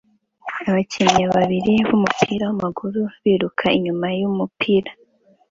Abakinnyi babiri bumupira wamaguru biruka inyuma yumupira